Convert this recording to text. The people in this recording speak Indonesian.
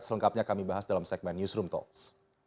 selengkapnya kami bahas dalam segmen newsroom talks